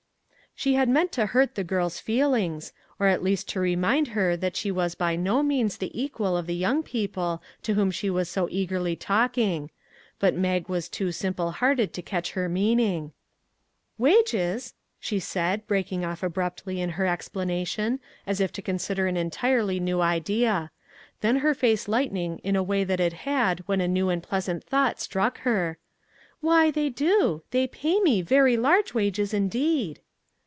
She had meant to hurt the girl's feelings, or at least to remind her that she was by no means the equal of the young people to whom she was so eagerly talking; but Mag was too simple hearted to catch her meaning. " Wages !" she said, breaking off abruptly 339 MAG AND MARGARET in her explanation as if to consider an entirely new idea, then her face lighting in a way that it had when a new and pleasant thought struck her, " Why, they do ; they pay me very large wages indeed."